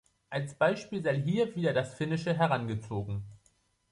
Als Beispiel sei hier wieder das Finnische herangezogen.